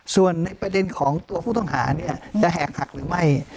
ส่วนในประเด็นของตัวผู้ต้องหาเนี่ยจะแหกหักหรือไม่